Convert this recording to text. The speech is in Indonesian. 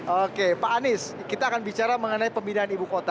oke pak anies kita akan bicara mengenai pemindahan ibu kota